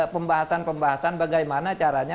pembahasan pembahasan bagaimana caranya